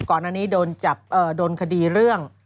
ก่อนอันนี้โดนจับโดนคดีเรื่อง